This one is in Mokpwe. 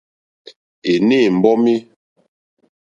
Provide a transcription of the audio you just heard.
Ènê mbɔ́mí.